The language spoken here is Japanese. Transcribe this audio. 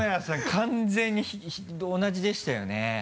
完全に同じでしたよね。